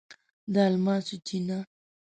د الماسو چینه